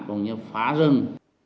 cũng như phá rừng